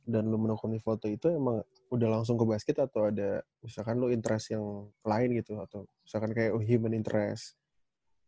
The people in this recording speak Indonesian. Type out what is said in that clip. dan lu menekuni foto itu emang udah langsung ke basket atau ada misalkan lu interest yang lain gitu atau misalkan kayak human interest